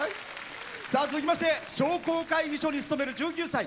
さあ続きまして商工会議所に勤める１９歳。